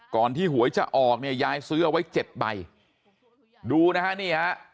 ที่หวยจะออกเนี่ยยายซื้อเอาไว้เจ็ดใบดูนะฮะนี่ฮะ